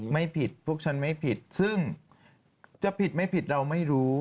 ไม่ผิดพวกฉันไม่ผิดซึ่งจะผิดไม่ผิดเราไม่รู้